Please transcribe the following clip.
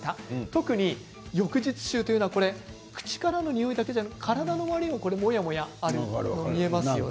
特に翌日臭というのは口からのにおいだけではなく体の周りにもモヤモヤ見えますよね。